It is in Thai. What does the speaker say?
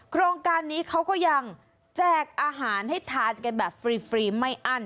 โครงการนี้เขาก็ยังแจกอาหารให้ทานกันแบบฟรีไม่อั้น